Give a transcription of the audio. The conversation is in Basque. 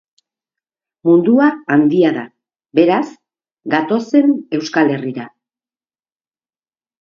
Mundua handia da, beraz, gatozen Euskal Herrira.